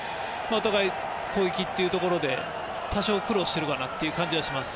攻撃というところで多少、苦労しているかなという感じがします。